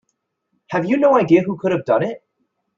Have you no idea who could have done it?